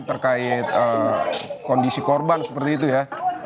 terkait kondisi korban seperti itu ya